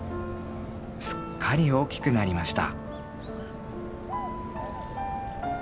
すっかり大きくなりました。